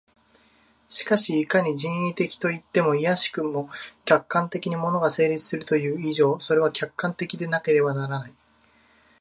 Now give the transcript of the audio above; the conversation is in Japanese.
しかしいかに人為的といっても、いやしくも客観的に物が成立するという以上、それは客観的でなければならない。